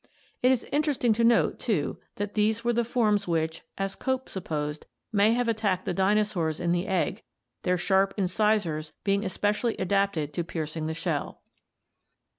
It is interesting to note, too, that these were the forms which, as Cope supposed, may have attacked the dinosaurs in the eggr their sharp incisors being especially adapted to piercing the shell.